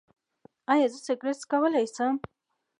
ایا زه سګرټ څکولی شم؟